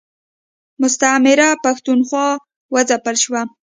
مستعمره پښتونخوا و ځپل شوه.